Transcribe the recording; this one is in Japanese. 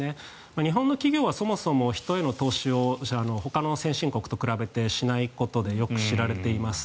日本の企業はそもそも人への投資をほかの先進国と比べてしないことでよく知られています。